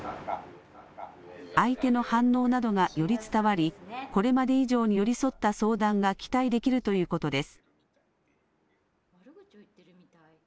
相手の反応などがより伝わり、これまで以上に寄り添った相談が期待できるということです。